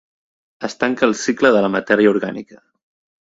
Es tanca el cicle de la matèria orgànica.